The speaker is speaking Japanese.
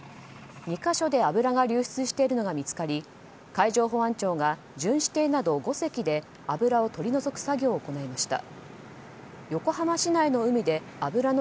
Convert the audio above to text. ２か所で油が流出しているのが見つかり海上保安庁が巡視艇など５隻で油を取り除く作業を行いました。